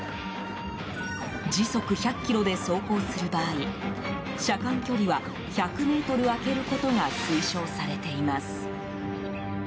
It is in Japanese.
時速１００キロで走行する場合車間距離は１００ｍ空けることが推奨されています。